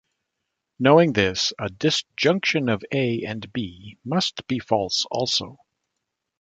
Knowing this, a disjunction of A and B must be false also.